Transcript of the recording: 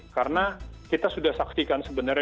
karena kita sudah saksikan sebenarnya